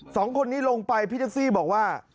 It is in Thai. สองคนนี้ลงไปพี่แท็กซี่บอกว่า